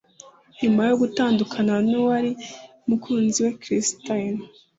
nyuma yo gutandukana n’uwari umukunzi we Kristen